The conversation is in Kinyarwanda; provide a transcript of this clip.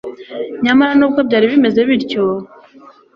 Nyamara nubwo byari bimeze bityo